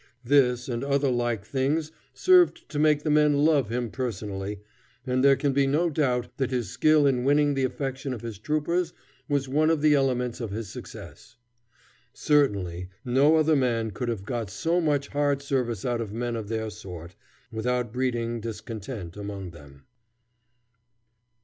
This and other like things served to make the men love him personally, and there can be no doubt that his skill in winning the affection of his troopers was one of the elements of his success. Certainly no other man could have got so much hard service out of men of their sort, without breeding discontent among them.